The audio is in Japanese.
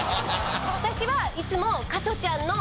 私はいつも。